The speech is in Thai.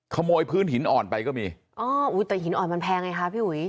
พื้นหินอ่อนไปก็มีอ๋ออุ้ยแต่หินอ่อนมันแพงไงคะพี่อุ๋ย